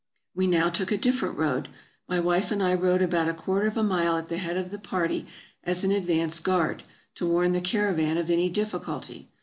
We now took a different road. My wife and I rode about a quarter of a mile at the head of the party as an advance guard, to warn the caravan of any difficulty.